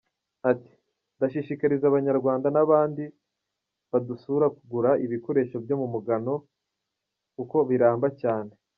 Ati “Ndashishikariza Abanyarwanda n’abandi badusura kugura ibikoresho byo mu mugano kuko biramba cyane.